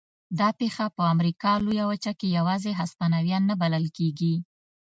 دا پېښه په امریکا لویه وچه کې یوازې هسپانویان نه بلل کېږي.